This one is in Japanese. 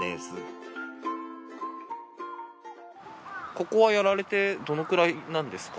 ここはやられてどのくらいなんですか？